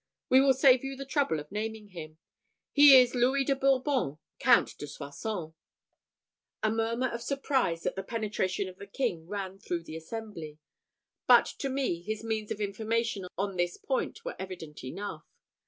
We will save you the trouble of naming him. He is Louis de Bourbon, Count de Soissons!" A murmur of surprise at the penetration of the king ran through the assembly; but to me his means of information on this point were evident enough.